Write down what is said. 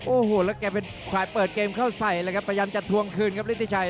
โอ้โหแล้วแกเป็นฝ่ายเปิดเกมเข้าใส่เลยครับพยายามจะทวงคืนครับฤทธิชัย